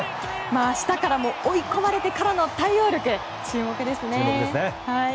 明日からも追い込まれてからの対応力注目ですね。